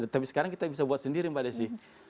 tapi sekarang kita bisa buat sendiri mbak desi